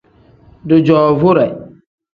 Dijoovure.